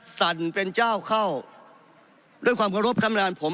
สั่นเป็นเจ้าเข้าด้วยความเคารพท่านประธานผม